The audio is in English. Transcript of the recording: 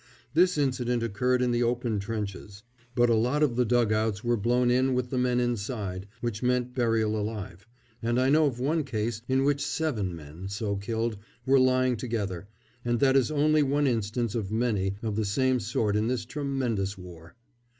This incident occurred in the open trenches; but a lot of the dug outs were blown in with the men inside, which meant burial alive, and I know of one case in which seven men, so killed, were lying together, and that is only one instance of many of the same sort in this tremendous war.